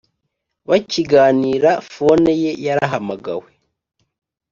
bakiganira fone ye yarahamagawe